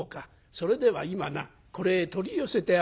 それでは今なこれへ取り寄せてあげよう」。